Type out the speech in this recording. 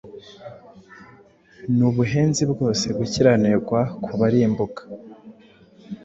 n’ubuhenzi bwose gukiranirwa ku barimbuka.”